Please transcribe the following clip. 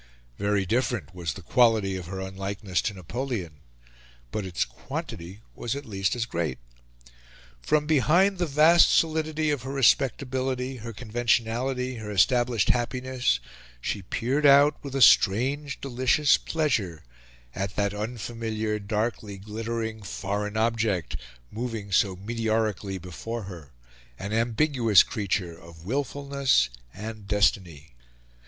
Very different was the quality of her unlikeness to Napoleon; but its quantity was at least as great. From behind the vast solidity of her respectability, her conventionality, her established happiness, she peered out with a strange delicious pleasure at that unfamiliar, darkly glittering foreign object, moving so meteorically before her, an ambiguous creature of wilfulness and Destiny.